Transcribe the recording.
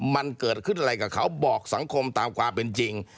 มันเกิดขึ้นอะไรกับเขาบอกสังคมตามความเป็นจริง